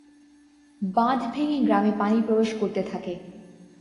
বাঁধ ভেঙ্গে গ্রামে পানি প্রবেশ করতে থাকে।